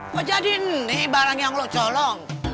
kok jadi ini barang yang lo colong